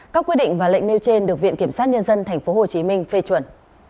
các quy định và lệnh nêu trên được viện kiểm sát nhân dân tp hcm phê chuẩn